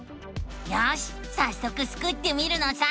よしさっそくスクってみるのさ！